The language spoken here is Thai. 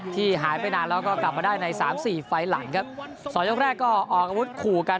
ที่หายไปนานแล้วก็กลับมาได้ในสามสี่ไฟล์หลังครับสองยกแรกก็ออกอาวุธขู่กัน